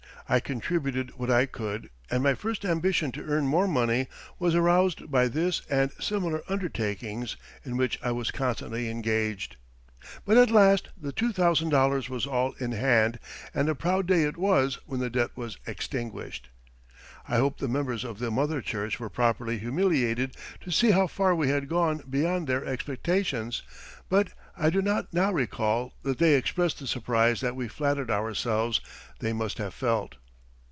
I contributed what I could, and my first ambition to earn more money was aroused by this and similar undertakings in which I was constantly engaged. But at last the $2,000 was all in hand and a proud day it was when the debt was extinguished. I hope the members of the mother church were properly humiliated to see how far we had gone beyond their expectations, but I do not now recall that they expressed the surprise that we flattered ourselves they must have felt.